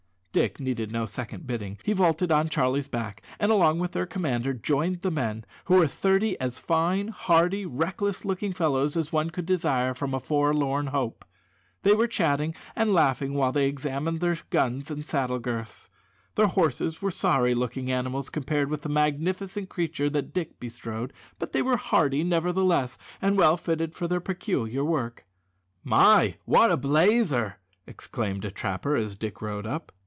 Dick needed no second bidding. He vaulted on Charlie's back, and along with their commander joined the men, who were thirty as fine, hardy, reckless looking fellows as one could desire for a forlorn hope. They were chatting and laughing while they examined their guns and saddle girths. Their horses were sorry looking animals compared with the magnificent creature that Dick bestrode, but they were hardy, nevertheless, and well fitted for their peculiar work. "My! wot a blazer!" exclaimed a trapper as Dick rode up.